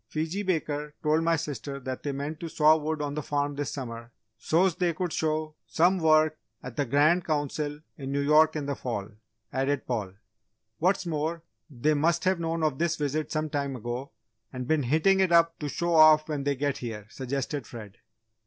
"Fiji Baker told my sister that they meant to 'saw wood' on the farm this summer, so's they could show 'some' work at the Grand Council in New York in the fall," added Paul. "What's more, they must have known of this visit some time ago, and been hitting it up to show off when they get here," suggested Fred.